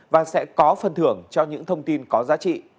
và sẽ có phần thưởng cho những thông tin có giá trị